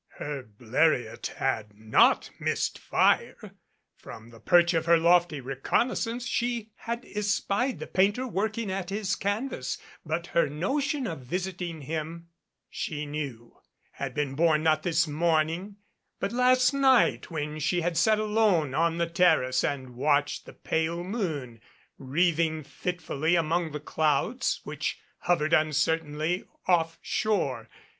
Her Bleriot had not missed fire. From the perch of her lofty reconnaissance she had espied the painter working at his canvas, but her notion of visiting him she knew had been born not this morning, but last night when she had sat alone on the terrace and watched the pale moon wreathing fitfully among the clouds which hovered uncertainly off shore.